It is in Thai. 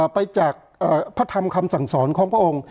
ไปจากพระธรรมคำสั่งสอนของพระองค์